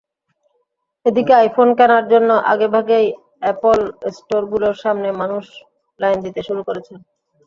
এদিকে, আইফোন কেনার জন্য আগেভাগেই অ্যাপল স্টোরগুলোর সামনে মানুষ লাইন দিতে শুরু করেছেন।